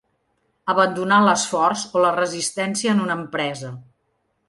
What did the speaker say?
Abandonar l’esforç o la resistència en una empresa.